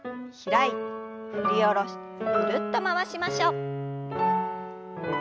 開いて振り下ろしてぐるっと回しましょう。